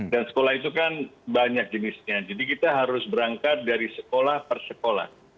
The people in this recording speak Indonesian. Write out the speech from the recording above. dan sekolah itu kan banyak jenisnya jadi kita harus berangkat dari sekolah per sekolah